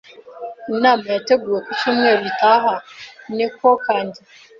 Inama yateguwe ku cyumweru gitaha. NekoKanjya